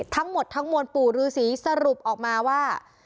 ทั้งหมดทั้งมวลปู่ฤษีสรุปออกมาว่า